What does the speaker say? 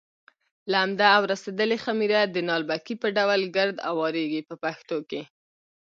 لمده او رسېدلې خمېره د نالبکي په ډول ګرد اوارېږي په پښتو کې.